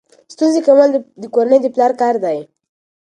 ستونزې کمول د کورنۍ د پلار کار دی.